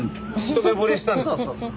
一目ぼれしたんです。